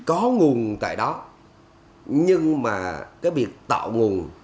có nguồn tại đó nhưng mà cái việc tạo nguồn